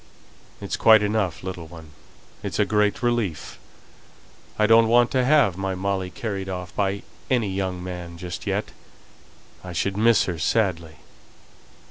"It's quite enough, little one. It's a great relief. I don't want to have my Molly carried off by any young man just yet; I should miss her sadly."